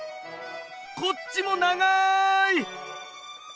こっちも長い。